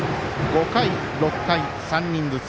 ５回、６回、３人ずつ。